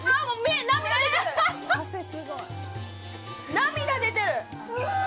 涙出てる！